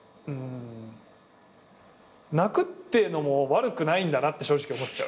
泣くってのも悪くないんだなって正直思っちゃう。